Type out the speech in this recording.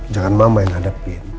jangan mama yang hadepin